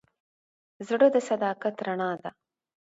زړه د صداقت رڼا ده.